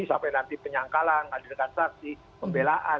sampai nanti penyangkalan adil kastasi pembelaan